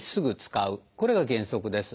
これが原則です。